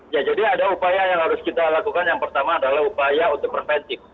ya jadi ada upaya yang harus kita lakukan yang pertama adalah upaya untuk preventif